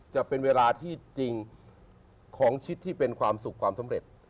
จะเป็นเวลาที่จริงของชิดที่เป็นความสุขความสำเร็จ